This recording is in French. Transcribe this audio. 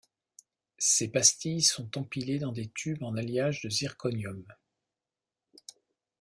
Ces pastilles sont empilées dans des tubes en alliage de zirconium.